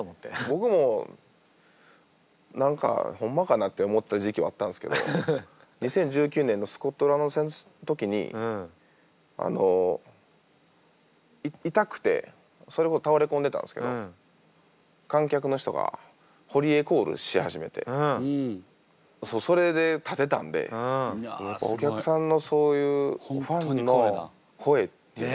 僕も何かほんまかなって思ってた時期はあったんすけど２０１９年のスコットランド戦の時に痛くてそれこそ倒れ込んでたんすけど観客の人が堀江コールし始めてそれで立てたんでお客さんのそういうファンの声っていうのは響くんやって。